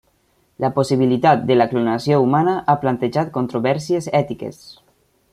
La possibilitat de la clonació humana ha plantejat controvèrsies ètiques.